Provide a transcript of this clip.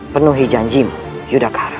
penuhi janjimu yudhakara